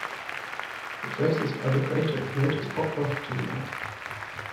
The closest other crater of note is Cockcroft to the north.